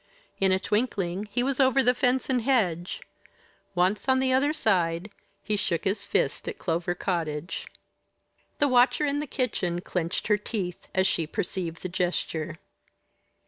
In a twinkling he was over the fence and hedge. Once on the other side, he shook his fist at Clover Cottage. The watcher in the kitchen clenched her teeth as she perceived the gesture.